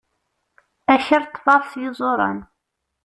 Akal ṭṭfeɣ-t s yiẓuran.